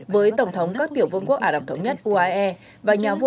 với tổng thống các tiểu vương quốc ả rập thống nhất uae